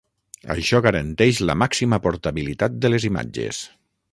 Això garanteix la màxima portabilitat de les imatges.